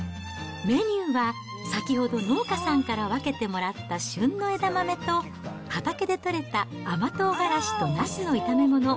メニューは、先ほど農家さんから分けてもらった旬の枝豆と、畑で取れた甘トウガラシとナスの炒め物。